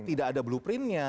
tidak ada blueprintnya